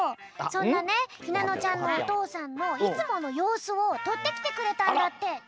そんなねひなのちゃんのお父さんのいつものようすをとってきてくれたんだって。